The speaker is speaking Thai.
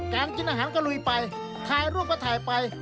กินอาหารก็ลุยไปถ่ายรูปก็ถ่ายไป